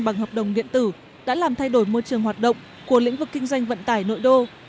bằng hợp đồng điện tử đã làm thay đổi môi trường hoạt động của lĩnh vực kinh doanh vận tải nội đô